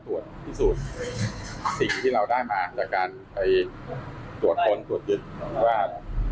วันนี้ยังไม่มีการฝากหานะครับ